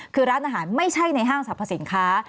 คือร้านอาหารไม่ใช่ในห้างสรรพสินค้า